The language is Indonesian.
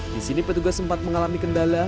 di sini petugas sempat mengalami kendala